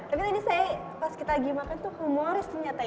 tapi tadi saya pas kita lagi makan tuh humoris ternyata ya